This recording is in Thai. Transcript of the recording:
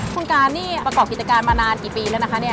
คุณการนี่ประกอบกิจการมานานกี่ปีแล้วนะคะเนี่ย